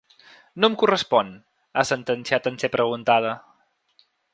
No em correspon, ha sentenciat en ser preguntada.